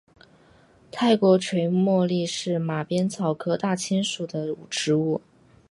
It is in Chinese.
泰国垂茉莉是马鞭草科大青属的植物。